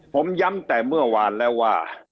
ผมย้ำแต่เมื่อวานแล้วว่า